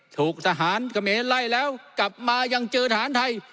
ถูกทหารเขมรไล่แล้วกลับมายังเจอทหารไทย